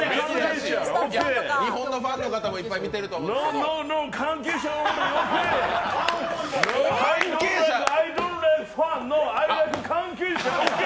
日本のファンの方もいっぱい見てると思うんですけど。